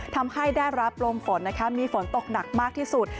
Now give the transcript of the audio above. ทำให้ได้รับลมฝนนะคะมีฝนตกหนักมากที่สุด